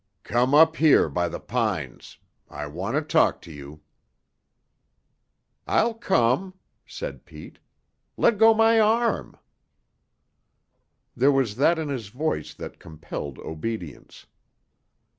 "Come up here by the pines. I want to talk to you." "I'll come," said Pete. "Let go my arm." There was that in his voice that compelled obedience.